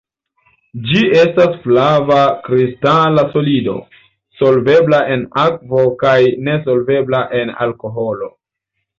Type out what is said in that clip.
Ĝi estas flava kristala solido, solvebla en akvo kaj nesolvebla en alkoholo.